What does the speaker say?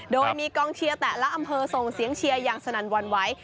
โดยมีกองเชียร์แต่ละอำเภอส่งเสียงเชียร์อย่างสนั่นวันไหว